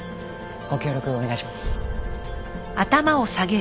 ご協力お願いします。